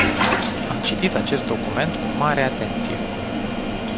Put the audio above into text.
Am citit acest document cu mare atenție.